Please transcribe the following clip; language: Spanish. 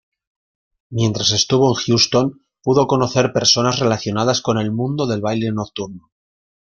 Mientras estuvo en Houston pudo conocer personas relacionadas con el mundo del baile nocturno.